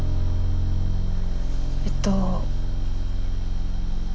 えっと。